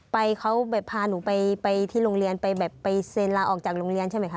ไปเขาแบบพาหนูไปที่โรงเรียนไปแบบไปเซ็นลาออกจากโรงเรียนใช่ไหมคะ